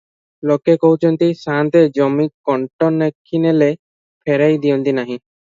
ଲୋକେ କହୁଛନ୍ତି, ସାଆନ୍ତେ ଜମି କଣ୍ଟ ନେଖିନେଲେ ଫେରାଇ ଦିଅନ୍ତି ନାହିଁ ।